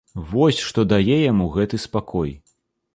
Вось што дае яму гэты спакой!